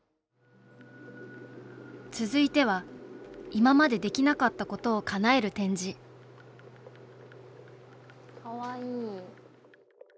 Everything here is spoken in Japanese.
続いては今までできなかったことをかなえる展示かわいい。